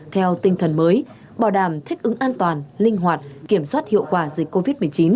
theo tinh thần mới bảo đảm thích ứng an toàn linh hoạt kiểm soát hiệu quả dịch covid một mươi chín